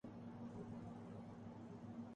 ایک بہترین کمپنی بنانا چاہتا ہوں